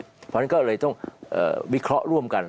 เพราะฉะนั้นก็เลยต้องวิเคราะห์ร่วมกัน